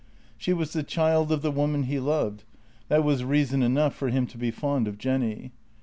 She was the child of the woman he loved — that was reason enough for him to be fond of Jenny.